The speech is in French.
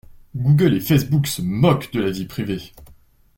Google et facebook se moquent de la vie privée.